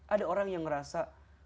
ada orang yang ngerasa